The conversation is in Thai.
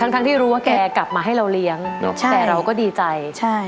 ทั้งที่รู้ว่าแกกลับมาให้เราเลี้ยงแต่เราก็ดีใจใช่